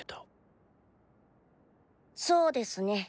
そうですね。